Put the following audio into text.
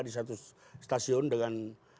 di satu stasiun dengan